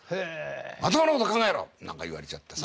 まともなこと考えろ！」なんか言われちゃってさ。